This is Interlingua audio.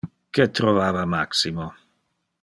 Que trovava Maximo?